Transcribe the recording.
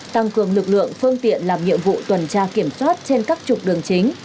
tăng cường lực lượng phương tiện làm nhiệm vụ tuần tra kiểm soát trên các trục đường chính